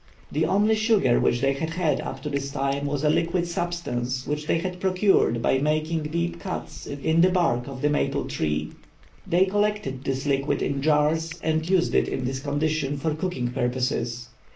The only sugar which they had had up to this time was a liquid substance which they had procured by making deep cuts in the bark of the maple tree. They collected this liquid in jars and used it in this condition for cooking purposes.